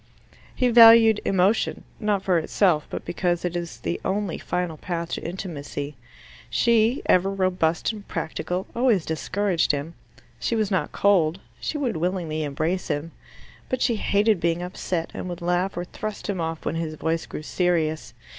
He valued emotion not for itself, but because it is the only final path to intimacy. She, ever robust and practical, always discouraged him. She was not cold; she would willingly embrace him. But she hated being upset, and would laugh or thrust him off when his voice grew serious.